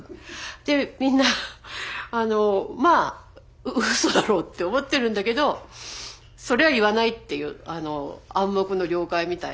でみんなまあうそだろうって思ってるんだけどそれは言わないっていう暗黙の了解みたいな。